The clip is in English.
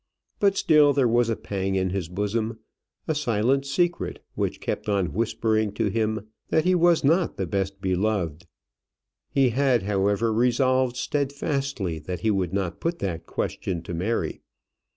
But still there was a pang in his bosom a silent secret which kept on whispering to him that he was not the best beloved. He had, however, resolved steadfastly that he would not put that question to Mary.